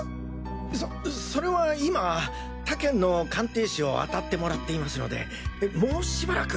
そそれは今他県の鑑定士をあたってもらっていますのでもうしばらく。